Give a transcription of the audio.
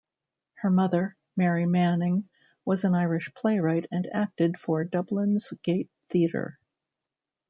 Her mother, Mary Manning, was an Irish playwright and acted for Dublin's Gate Theatre.